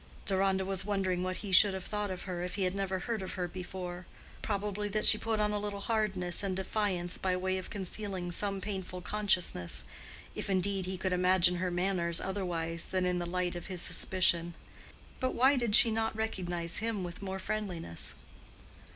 Deronda was wondering what he should have thought of her if he had never heard of her before: probably that she put on a little hardness and defiance by way of concealing some painful consciousness—if, indeed, he could imagine her manners otherwise than in the light of his suspicion. But why did she not recognize him with more friendliness?